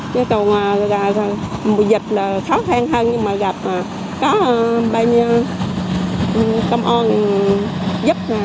chứ còn mùa dịch là khó thang hơn nhưng mà gặp có bao nhiêu công an giúp